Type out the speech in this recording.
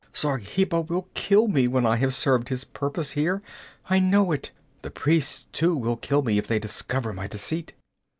Zargheba will kill me when I have served his purpose here I know it! The priests, too, will kill me if they discover my deceit.